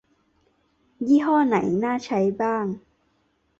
ยี่ห้อไหนน่าใช้บ้าง